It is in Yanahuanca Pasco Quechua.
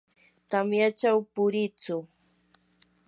tamyachaw puriitsu.